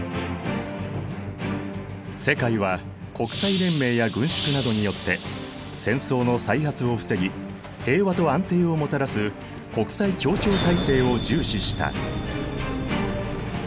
世界は国際連盟や軍縮などによって戦争の再発を防ぎ平和と安定をもたらす国際協調体制を重視した。